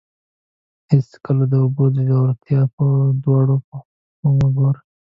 هېڅکله د اوبو ژورتیا په دواړو پښو مه ګوره.